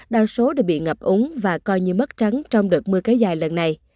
đa số đều bị ngập úng và coi như mất trắng trong đợt mưa kéo dài lần này